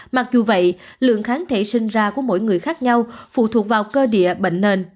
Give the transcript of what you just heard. mặc dù vậy lượng kháng thể sinh ra của mỗi người khác nhau phụ thuộc vào cơ địa bệnh nền